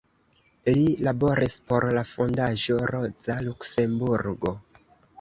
Li laboris por la Fondaĵo Roza Luksemburgo.